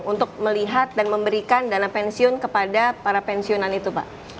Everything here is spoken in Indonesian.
untuk melihat dan memberikan dana pensiun kepada para pensiunan itu pak